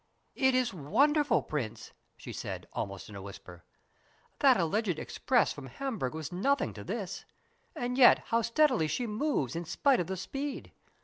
"It is wonderful, Prince!" she said, almost in a whisper. "That alleged express from Hamburg was nothing to this: and yet how steadily she moves in spite of the speed.